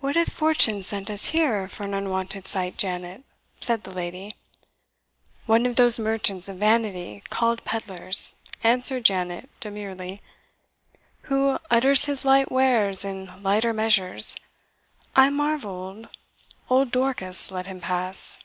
"What hath fortune sent us here for an unwonted sight, Janet?" said the lady. "One of those merchants of vanity, called pedlars," answered Janet, demurely, "who utters his light wares in lighter measures. I marvel old Dorcas let him pass."